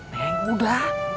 nah yang muda